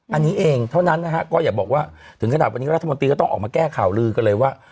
อันนี้เองเท่านั้นนะครับก็อย่าบอกว่าถึงขนาดวันนี้แล้วจังหวัดตีต้องออกมาแก้ข่าวลือก็เลยว่า